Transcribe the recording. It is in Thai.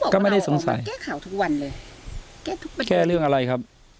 ก็ไม่ได้สงสัยแก้ข่าวทุกวันเลยแก้ทุกวันแก้เรื่องอะไรครับ